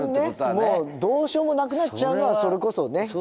一番ねどうしようもなくなっちゃうのはそれこそね。